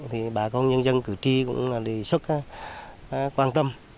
thì bà con nhân dân cử tri cũng là đề xuất quan tâm